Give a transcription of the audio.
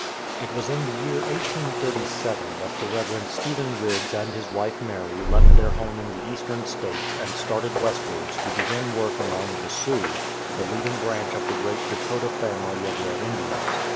It was in the year 1837 that the Rev. Stephen Riggs and his wife Mary left their home in the Eastern States and started westwards to begin work among the Sioux, the leading branch of the great Dakota family of Red Indians.